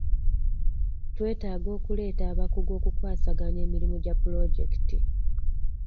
Twetaaga okuleeta abakugu okukwasaganya emirimu gya pulojekiti.